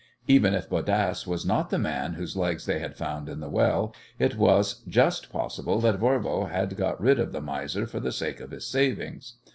Even if Bodasse was not the man whose legs they had found in the well, it was just possible that Voirbo had got rid of the miser for the sake of his savings.